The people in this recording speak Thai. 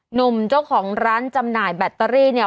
หนุ่มเจ้าของร้านจำหน่ายแบตเตอรี่เนี่ย